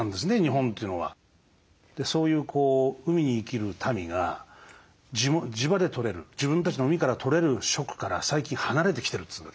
そういう海に生きる民が地場で取れる自分たちの海から取れる食から最近離れてきてるというわけですよ。